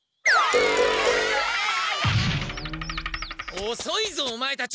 おそいぞオマエたち！